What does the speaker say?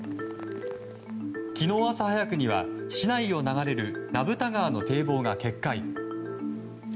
昨日朝早くには市内を流れる名蓋川の堤防が決壊。